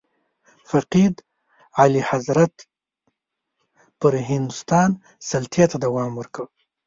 فقید اعلیحضرت پر هندوستان سلطې ته دوام ورکړ.